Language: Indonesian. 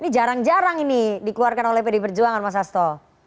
sekarang ini dikeluarkan oleh pdi perjuangan mas sasto